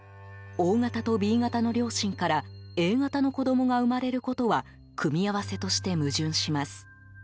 Ｏ型とＢ型の両親からＡ型の子供が生まれることは組み合わせとして矛盾します。